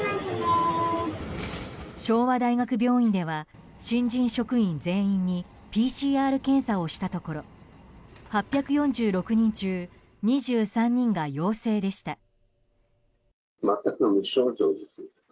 昭和大学病院では新人職員全員にＰＣＲ検査をしたところ８４６人中２３人が陽性でした。